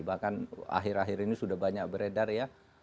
bahkan akhir akhir ini sudah banyak beredar ya